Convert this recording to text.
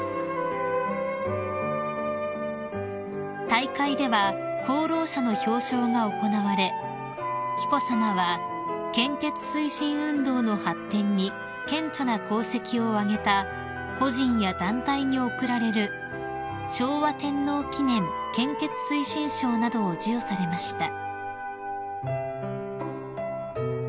［大会では功労者の表彰が行われ紀子さまは献血推進運動の発展に顕著な功績を挙げた個人や団体に贈られる昭和天皇記念献血推進賞などを授与されました］